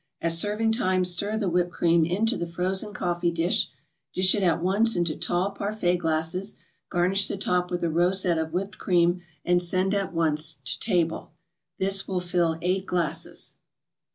At serving time, stir the whipped cream into the frozen coffee cream, dish it at once into tall parfait glasses, garnish the top with a rosette of whipped cream, and send at once to the table. This will fill eight glasses.